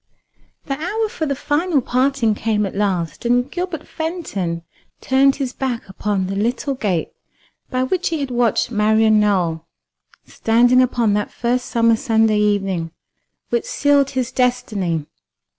The hour for the final parting came at last, and Gilbert Fenton turned his back upon the little gate by which he had watched Marian Nowell standing upon that first summer Sunday evening which sealed his destiny.